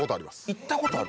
行ったことある？